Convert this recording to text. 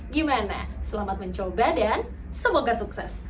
gimana selamat mencoba dan semoga sukses